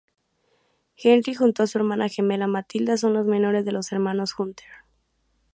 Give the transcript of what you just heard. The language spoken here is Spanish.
Henry junto a su hermana gemela Matilda son los menores de los hermanos Hunter.